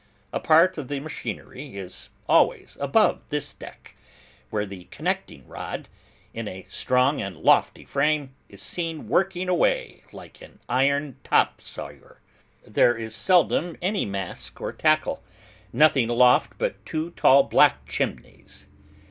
A part of the machinery is always above this deck; where the connecting rod, in a strong and lofty frame, is seen working away like an iron top sawyer. There is seldom any mast or tackle: nothing aloft but two tall black chimneys.